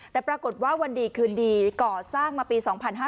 แต่ปรากฏว่าวันดีคืนดีก่อสร้างมาปี๒๕๕๙